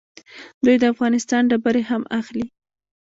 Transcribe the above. دوی د افغانستان ډبرې هم اخلي.